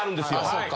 あそっか。